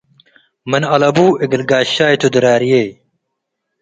ምን አለቡ እግል ጋሻይ ቱ ድራርዬ